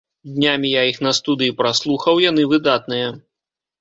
Днямі я іх на студыі праслухаў, яны выдатныя.